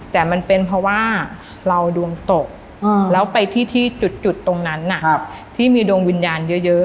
แต่มันเป็นเพราะว่าเราดวงตกแล้วไปที่จุดตรงนั้นที่มีดวงวิญญาณเยอะ